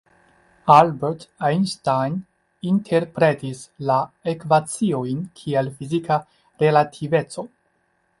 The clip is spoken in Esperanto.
Albert Einstein interpretis la ekvaciojn kiel fizika relativeco.